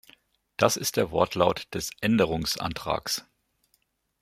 Das ist der Wortlaut des Änderungsantrags.